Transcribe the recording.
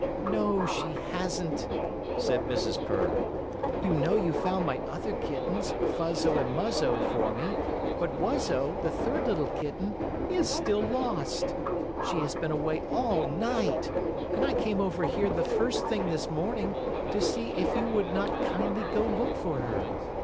"No, she hasn't," said Mrs. Purr. "You know you found my other kittens, Fuzzo and Muzzo, for me, but Wuzzo, the third little kitten, is still lost. She has been away all night, and I came over here the first thing this morning to see if you would not kindly go look for her.